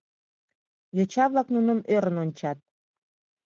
Йоча-влак нуным ӧрын ончат.